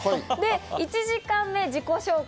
１時間目、自己紹介。